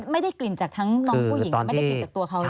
ไม่ได้กลิ่นจากทั้งน้องผู้หญิงไม่ได้กลิ่นจากตัวเขาเลย